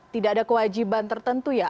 tidak ada kewajiban tertentu ya